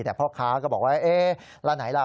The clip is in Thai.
แต่พ่อค้าก็บอกว่าเอ๊ะร้านไหนล่ะ